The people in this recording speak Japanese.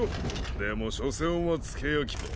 でも所詮は付け焼き刃。